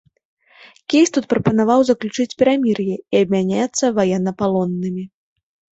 Кейстут прапанаваў заключыць перамір'е і абмяняцца ваеннапалоннымі.